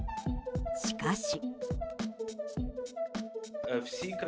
しかし。